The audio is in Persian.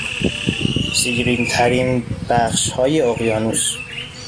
زیرینترین بخشهای اقیانوس